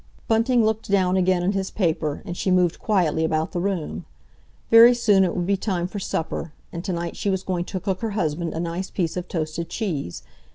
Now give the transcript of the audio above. Bunting looked down again at his paper, and she moved quietly about the room. Very soon it would be time for supper, and to night she was going to cook her husband a nice piece of toasted cheese.